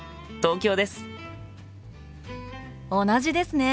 同じですね！